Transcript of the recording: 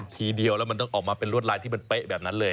ทีเดียวแล้วมันต้องออกมาเป็นลวดลายที่มันเป๊ะแบบนั้นเลย